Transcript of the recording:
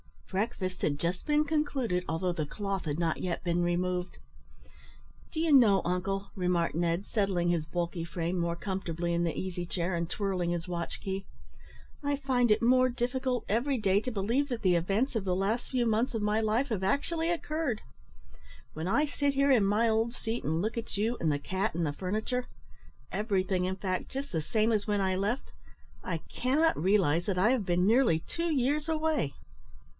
Breakfast had just been concluded, although the cloth had not yet been removed. "Do you know, uncle," remarked Ned, settling his bulky frame more comfortably in the easy chair, and twirling his watch key, "I find it more difficult every day to believe that the events of the last few months of my life have actually occurred. When I sit here in my old seat, and look at you and the cat and the furniture everything, in fact, just the same as when I left I cannot realise that I have been nearly two years away."